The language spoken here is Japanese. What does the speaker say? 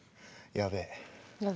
やべえ。